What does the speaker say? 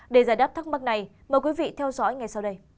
để giải đáp thắc mắc này mời quý vị theo dõi ngay sau đây